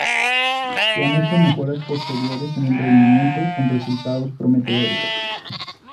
Se han hecho mejoras posteriores en el rendimiento con resultados prometedores.